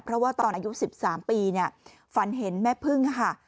เพราะว่าตอนอายุ๑๓ปีเนี่ยฝันเห็นแม่พึ่งค่ะ